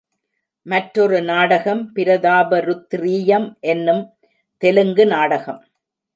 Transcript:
மற்றொரு நாடகம், பிரதாப ருத்ரீயம் என்னும் தெலுங்கு நாடகம்.